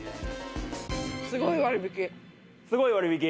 すごい割引！